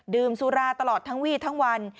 สุราตลอดทั้งวี่ทั้งวัน